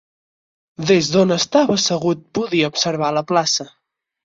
Des d'on estava assegut podia observar la plaça.